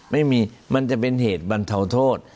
มันจะเป็นเหตุบรรเทาโทษ